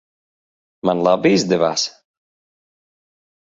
Man labi izdevās?